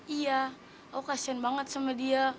iya oh kasian banget sama dia